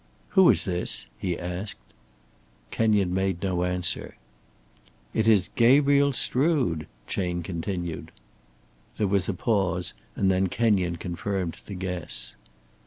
"Who is this?" he asked. Kenyon made no answer. "It is Gabriel Strood," Chayne continued. There was a pause, and then Kenyon confirmed the guess.